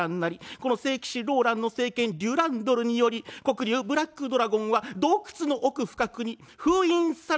この聖騎士ローランの聖剣デュランドルにより黒竜ブラックドラゴンは洞窟の奥深くに封印されしものなり。